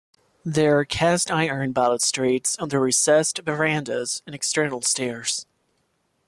There are cast iron balustrades on the recessed verandahs and external stairs.